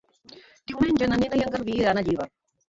Diumenge na Nina i en Garbí iran a Llíber.